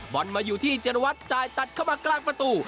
บอลมาอยู่ที่เจรวัตรจ่ายตัดเข้ามากลางประตู